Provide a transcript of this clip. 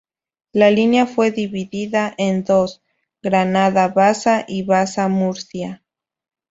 La línea fue dividida en dos, Granada-Baza y Baza-Murcia.